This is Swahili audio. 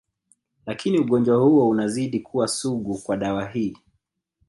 Lakini ugonjwa huo unazidi kuwa sugu kwa dawa hii